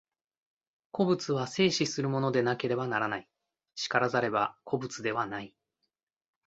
個物は生死するものでなければならない、然らざれば個物ではない。